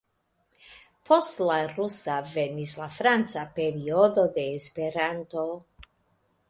Post la Rusa venis la Franca periodo de Esperanto.